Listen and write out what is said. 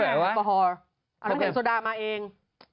เอาน้ำแข็งกับโซดามาเอง